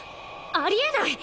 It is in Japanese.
ありえない！